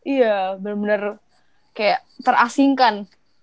iya bener bener kayak terasingkan